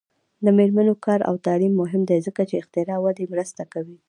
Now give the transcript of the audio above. د میرمنو کار او تعلیم مهم دی ځکه چې اختراع ودې مرسته کوي.